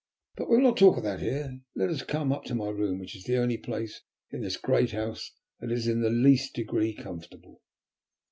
But we will not talk of that here. Let us come up to my room, which is the only place in this great house that is in the least degree comfortable."